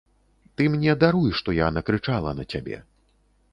Ты мне даруй, што я накрычала на цябе.